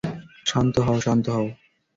শান্ত হও, শান্ত হও।